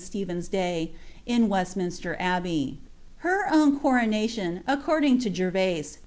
Stephen's day, in V!ttH minsier Abbey. Her own coronation, according to Geri'aBe.